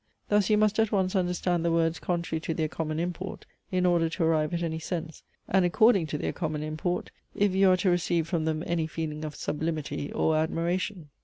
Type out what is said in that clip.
Thus you must at once understand the words contrary to their common import, in order to arrive at any sense; and according to their common import, if you are to receive from them any feeling of sublimity or admiration.